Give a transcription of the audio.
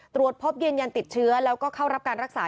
ตรวจพบยืนยันติดเชื้อแล้วก็เข้ารับการรักษา